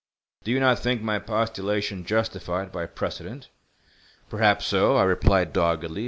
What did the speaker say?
Do you not think my postulation justified by precedent?" "Perhaps so," I replied, doggedly.